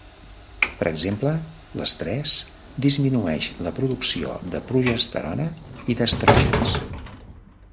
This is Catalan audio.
Per exemple, l'estrès disminueix la producció de progesterona i d'estrògens.